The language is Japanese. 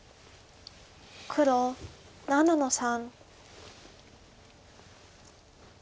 黒７の三。